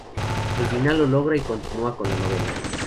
Al fin lo logra y continúa con la novela.